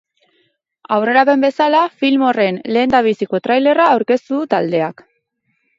Aurrerapen bezala, film horren lehendabiziko trailerra aurkeztu du taldeak.